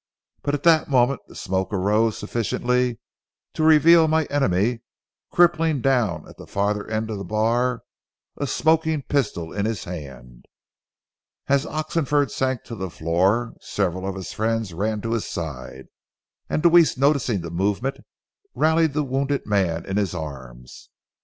But at that moment the smoke arose sufficiently to reveal my enemy crippling down at the farther end of the bar, a smoking pistol in his hand. As Oxenford sank to the floor, several of his friends ran to his side, and Deweese, noticing the movement, rallied the wounded man in his arms.